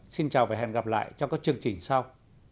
xin chào và hẹn gặp lại trong các chương trình sau